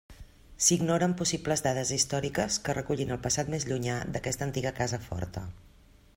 S'ignoren possibles dades històriques que recullin el passat més llunyà d'aquesta antiga casa forta.